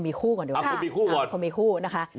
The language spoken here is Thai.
หมอไก่คือเหมือนที่เขามีคู่แล้วกับคนสวน